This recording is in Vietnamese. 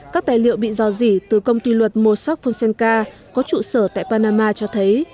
các tài liệu bị dò dị từ công ty luật mossack fusenka có trụ sở tại panama cho thấy